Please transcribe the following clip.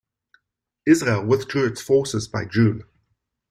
Israel withdrew its forces by June.